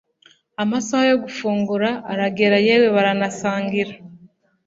amasaha yo gufungura aragera yewe baranasangira